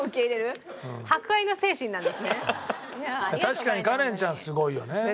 確かにカレンちゃんすごいよね。